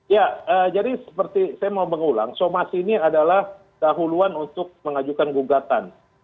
ya jadi seperti saya mau mengulang somasi ini adalah dahuluan untuk mengajukan gugatan